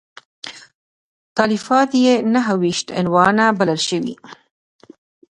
تالیفات یې نهه ویشت عنوانه بلل شوي.